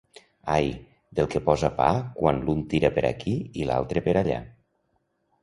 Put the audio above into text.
Ai, del que posa pa quan l'un tira per aquí i l'altre per allà!